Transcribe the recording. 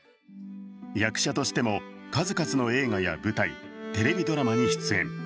役者としても、数々の映画や舞台テレビドラマに出演。